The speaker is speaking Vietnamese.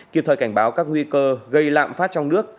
kịp thời cảnh báo các nguy cơ gây lạm phát trong nước